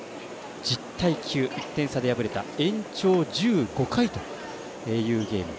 １０対９、１点差で敗れた延長１５回というゲーム。